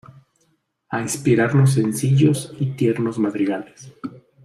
A inspirarnos sencillos y tiernos madrigales.